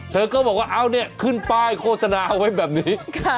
เดี๋ยวก็บอกว่าขึ้นป้ายโฆษณาเอาไว้แบบนี้